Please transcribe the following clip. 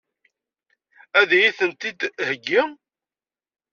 Ad iyi-tent-id-theggi?